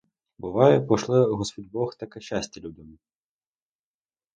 Буває, пошле господь бог таке щастя людям!